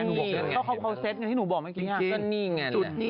นี่ก็เขาเซ็ตไงที่หนูบอกเมื่อกี้ไง